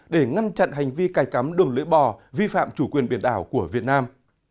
để ngăn chặn hành vi cài cắm đường lưỡi bò vi phạm chủ quyền biển đảo của việt nam